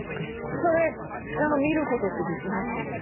それ見ることってできます？